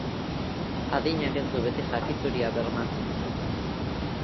Adinak ez du beti jakituria bermatzen.